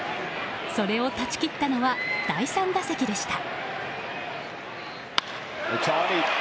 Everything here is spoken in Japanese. それを断ち切ったのは第３打席でした。